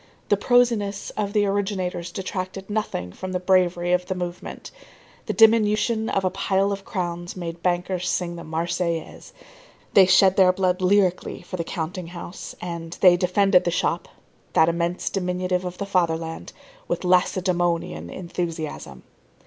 The prosiness of the originators detracted nothing from the bravery of the movement. The diminution of a pile of crowns made bankers sing the Marseillaise. They shed their blood lyrically for the counting house; and they defended the shop, that immense diminutive of the fatherland, with Lacedæmonian enthusiasm.